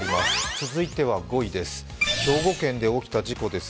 続いては５位です。